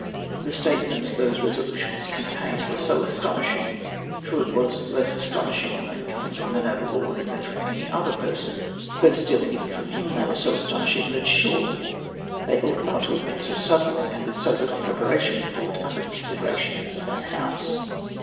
The statements those resolutions contained were so astonishing — true it was less astonishing ■when coming from the noble lord than from any other person — but still even from him they were so astonishing, that surely they ought not to have been so suddenly, and with so little preparation, brought under the consideration of that House.